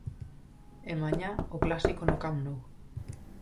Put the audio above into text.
E mañá, o clásico no Camp Nou.